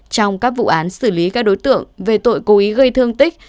trong các vụ án xử lý các đối tượng về tội cố ý gây thương tích